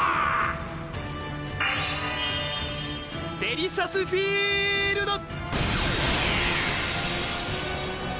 デリシャスフィールド！